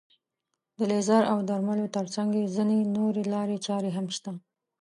د لیزر او درملو تر څنګ ځينې نورې لارې چارې هم شته.